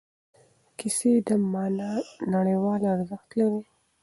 د کیسې معنا نړیوال ارزښت لري.